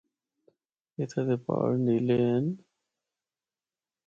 اِتھا دے پہاڑ نیلے ہن۔